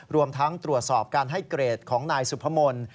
รวมทั้งตรวจสอบการให้เกรดของนายสุพมนต์